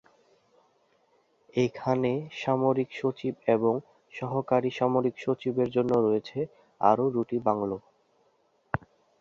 এখানে সামরিক সচিব এবং সহকারী সামরিক সচিবের জন্য রয়েছে আরও দুটি বাংলো।